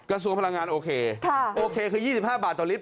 กระทรวงพลังงานโอเคโอเคคือ๒๕บาทต่อลิตร